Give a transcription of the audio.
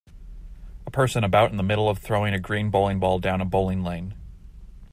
A person about in the middle of throwing a green bowling ball down a bowling lane.